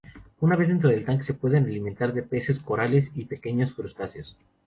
Una vez dentro del tanque, se pueden alimentar de peces, corales y pequeños crustáceos.